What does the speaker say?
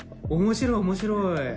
面白い面白い。